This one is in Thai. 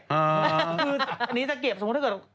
อันนี้จะเก็บที่เกิด